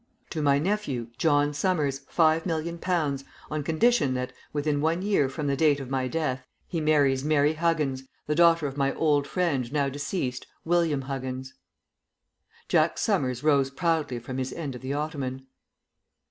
"To my nephew, John Summers, five million pounds, on condition that, within one year from the date of my death, he marries Mary Huggins, the daughter of my old friend, now deceased, William Huggins." Jack Summers rose proudly from his end of the ottoman.